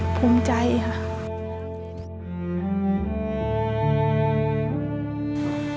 ผมพรุ่งใจครับ